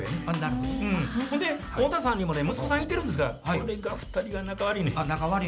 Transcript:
ほんで太田さんにもね息子さんいてるんですがこれが２人が仲悪いねん。